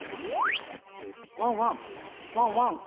ワンワンワンワン！